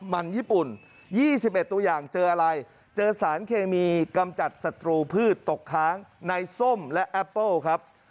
มันญี่ปุ่น๒๑ตัวอย่างเจออะไรเจอสารเคมีกำจัดศัตรูพืชตกค้างในส้มและแอปเปิ้ลครับ